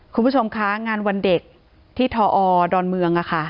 คุณผู้ชมคะงานวันเด็กที่ทอดอนเมือง